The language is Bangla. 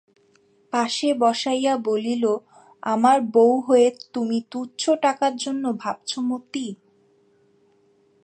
পাশে বসাইয়া বলিল, আমার বৌ হয়ে তুমি তুচ্ছ টাকার জন্য ভাবছ মতি?